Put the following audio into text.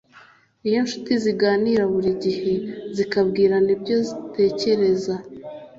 Iyo incuti ziganira buri gihe zikabwirana ibyo zitekereza